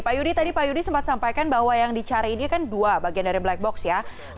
pak yudi tadi pak yudi sempat sampaikan bahwa yang dicari ini kan dua bagian dari black box ya